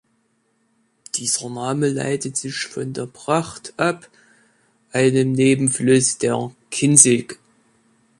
Dieser Name leitet sich von der Bracht ab, einem Nebenfluss der Kinzig.